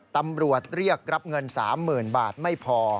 ตำรวจเรียกรับเงิน๓๐๐๐บาทไม่พอ